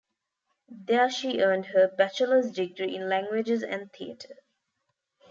There she earned her Bachelor's degree in languages and theater.